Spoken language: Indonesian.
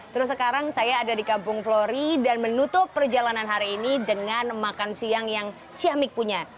terus sekarang saya ada di kampung flori dan menutup perjalanan hari ini dengan makan siang yang ciamik punya